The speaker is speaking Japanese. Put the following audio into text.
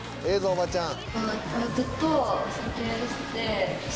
おばちゃん。